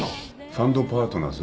ファンドパートナーズ？